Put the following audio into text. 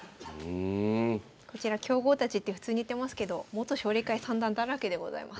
こちら強豪たちって普通に言ってますけど元奨励会三段だらけでございます。